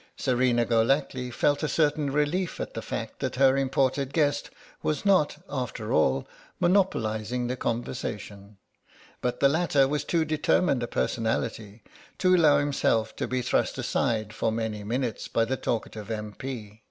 Serena Golackly felt a certain relief at the fact that her imported guest was not, after all, monopolising the conversation. But the latter was too determined a personality to allow himself to be thrust aside for many minutes by the talkative M.P.